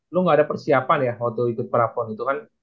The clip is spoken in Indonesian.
lo nggak ada persiapan ya waktu ikut prapon itu kan